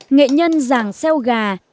nghệ nhân giảng xeo gà